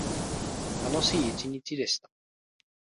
楽しい一日でした。